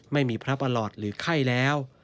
ไม่มีพระประหลอดหรือไข้แล้ว